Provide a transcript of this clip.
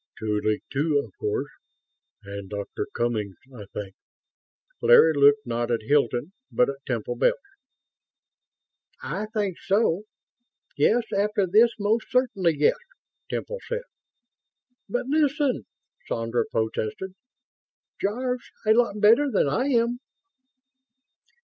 "Tuly, too, of course ... and Doctor Cummings, I think?" Larry looked, not at Hilton, but at Temple Bells. "I think so. Yes, after this, most certainly yes," Temple said. "But listen!" Sandra protested. "Jarve's a lot better than I am!"